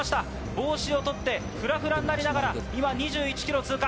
帽子を取って、ふらふらになりながら今、２１キロを通過。